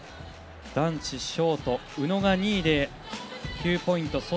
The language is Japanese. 男子ショート宇野が２位で９ポイント。